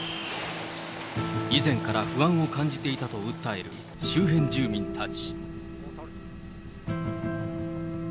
以前から不安を感じていたと訴える周辺住民たち。